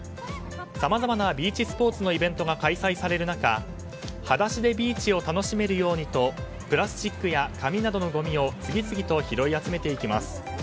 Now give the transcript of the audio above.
さまざまなビーチスポーツのイベントが開催される中裸足でビーチを楽しめるようにとプラスチックや紙などのごみを次々と拾い集めていきます。